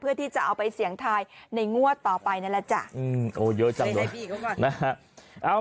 เพื่อที่จะเอาไปเสียงทายในงวดต่อไปนั่นละจ๊ะ